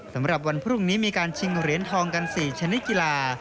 สำหรับวันพรุ่งนี้มีการชิงเหรียญทองกัน๔ชนิดกีฬา